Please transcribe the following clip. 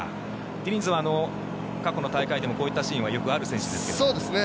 ディニズは過去の大会でもこういったシーンはよくある選手ですが。